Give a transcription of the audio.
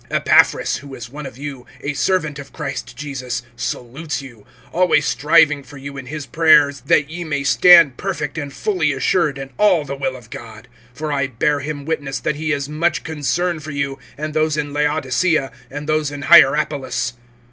(12)Epaphras, who is one of you, a servant of Christ Jesus, salutes you, always striving for you in his prayers, that ye may stand perfect and fully assured in all the will of God. (13)For I bear him witness, that he has much concern[4:13] for you, and those in Laodicea, and those in Hierapolis.